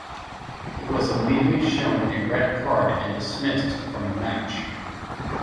He was immediately shown a red card and dismissed from the match.